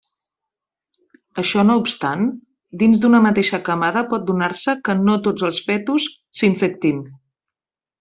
Això no obstant, dins d'una mateixa camada pot donar-se que no tots els fetus s'infectin.